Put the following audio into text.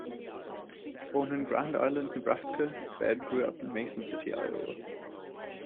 Born in Grand Island, Nebraska, Baird grew up in Mason City, Iowa.